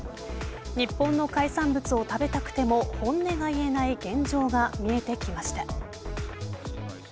日本の海産物を食べたくても本音が言えない現状が見えてきました。